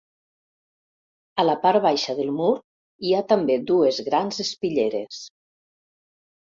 A la part baixa del mur hi ha també dues grans espitlleres.